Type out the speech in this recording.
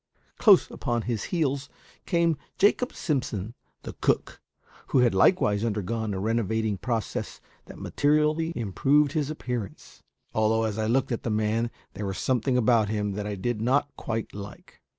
Close upon his heels came Jacob Simpson, the cook, who had likewise undergone a renovating process that materially improved his appearance, although as I looked at the man there was a something about him that I did not quite like.